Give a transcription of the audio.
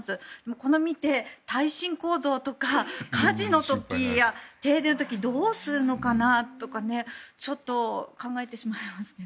これを見て耐震構造とか火事の時や停電の時どうするのかなとかちょっと考えてしまいますけど。